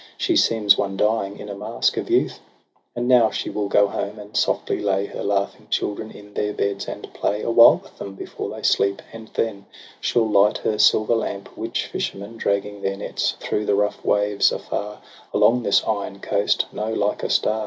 She seems one dying in a mask of youth. And now she will go home, and softly lay Her laughing children in their beds, and play Awhile with them before they sleep; and then She'll light her silver lamp, which fishermen Dragging their nets through the rough waves, afar, Along this iron coast, know like a star.